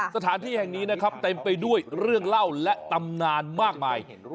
สถานที่แห่งนี้นะครับเต็มไปด้วยเรื่องเล่าและตำนานมากมาย